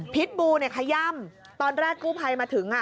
บูเนี่ยขย่ำตอนแรกกู้ภัยมาถึง